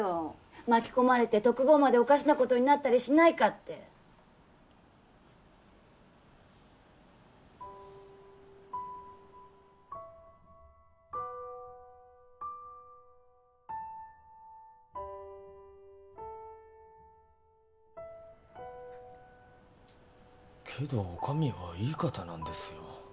巻き込まれて篤坊までおかしなことになったりしないかってけどお上はいい方なんですよ・